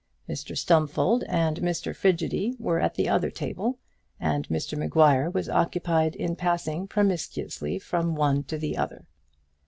Mr Stumfold and Mr Frigidy were at the other table, and Mr Maguire was occupied in passing promiscuously from one to the other.